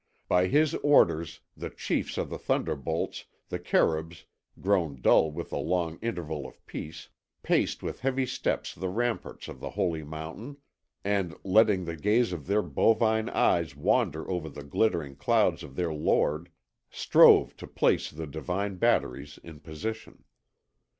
By his orders, the chiefs of the thunderbolts, the Kerûbs, grown dull with the long interval of peace, paced with heavy steps the ramparts of the Holy Mountain, and, letting the gaze of their bovine eyes wander over the glittering clouds of their Lord, strove to place the divine batteries in position.